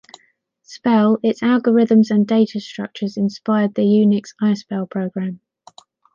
Spell, its algorithms and data structures inspired the Unix ispell program.